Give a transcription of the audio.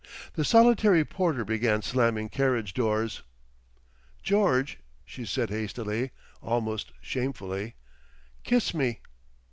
The solitary porter began slamming carriage doors. "George" she said hastily, almost shamefully, "kiss me!"